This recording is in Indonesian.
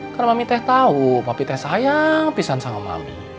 karena mami teh tau papi teh sayang pisah sama mami